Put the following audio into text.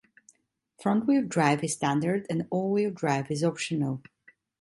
Front-wheel drive is standard and all-wheel drive is optional.